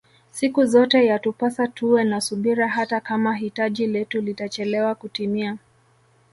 Siku zote yatupasa tuwe na subira hata Kama hitaji letu litachelewa kutimia